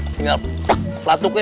tinggal plak pelatuknya